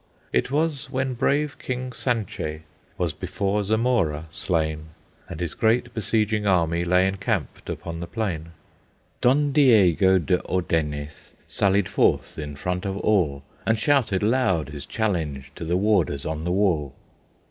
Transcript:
It was when brave King Sanchez Was before Zamora slain, And his great besieging army Lay encamped upon the plain. Don Diego de Ordenez Sallied forth in front of all, And shouted loud his challenge To the warders on the wall.